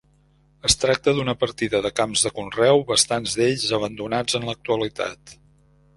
Es tracta d'una partida de camps de conreu, bastants d'ells abandonats en l'actualitat.